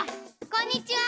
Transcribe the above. こんにちは。